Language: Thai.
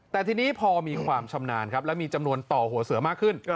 แต่ทีนี้พอมีความชำนาญครับแล้วมีจำนวนต่อหัวเสือมากขึ้น